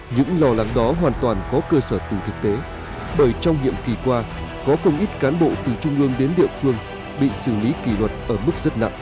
những lo lắng đó hoàn toàn có cơ sở từ thực tế bởi trong nhiệm kỳ qua có không ít cán bộ từ trung ương đến địa phương bị xử lý kỷ luật ở mức rất nặng